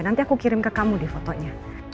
nanti aku kirim ke kamu deh fotonya